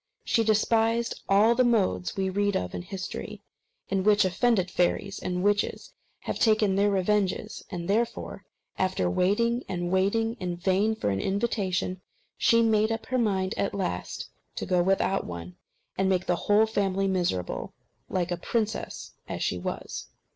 She despised all the modes we read of in history, in which offended fairies and witches have taken their revenges; and therefore, after waiting and waiting in vain for an invitation, she made up her mind at last to go without one, and make the whole family miserable, like a princess as she was.